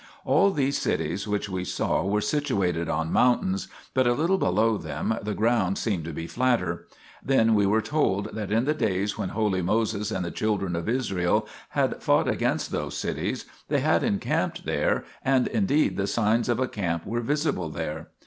All these cities which we saw were situated on mountains, but a little below them the ground seemed to be flatter. Then we were told that in the days when holy Moses and the children of Israel bad fought against those cities, they had encamped there, and indeed the signs of a camp were visible there.